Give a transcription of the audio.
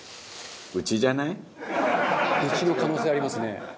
うちの可能性ありますね。